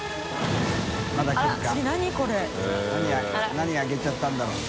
なに揚げちゃったんだろう？